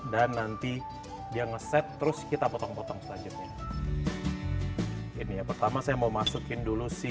dan nanti dia nge set terus kita potong potong selanjutnya ini pertama saya mau masukin dulu si